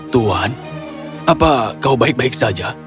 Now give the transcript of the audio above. tuan apa kau baik baik saja